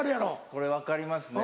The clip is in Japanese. これ分かりますね。